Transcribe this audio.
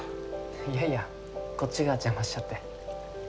いやいやこっちが邪魔しちゃって。